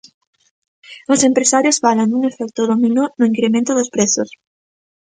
Os empresarios falan dun efecto dominó no incremento dos prezos.